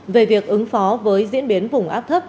về việc ứng phó với diễn biến vùng áp thấp